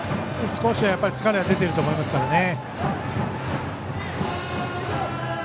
少し疲れが出ていると思いますからね。